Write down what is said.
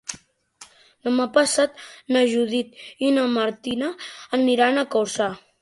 Demà passat na Judit i na Martina aniran a Corçà.